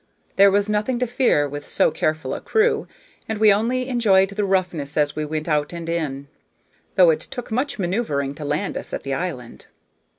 There was nothing to fear with so careful a crew, and we only enjoyed the roughness as we went out and in, though it took much manoeuvring to land us at the island.